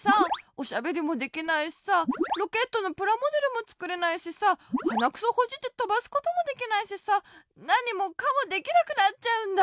おしゃべりもできないしさロケットのプラモデルもつくれないしさはなくそほじってとばすこともできないしさなにもかもできなくなっちゃうんだ。